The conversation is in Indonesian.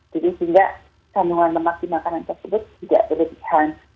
jadi sehingga kandungan lemak di makanan tersebut tidak berlembab